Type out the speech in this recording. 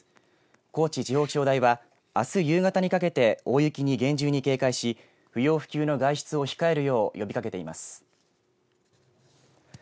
高知地方気象台はあす夕方にかけて大雪に厳重に警戒し不要不急の外出を控えるよう呼びかけています。